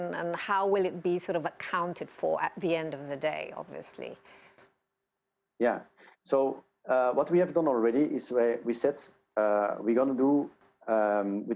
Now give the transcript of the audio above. dan itu juga penting untuk memiliki partner yang dapat mencapai para konsumen seperti alphamart